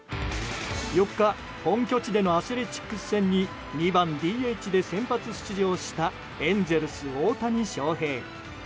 ４日、本拠地でのアスレチックス戦に２番ＤＨで先発出場したエンゼルス、大谷翔平。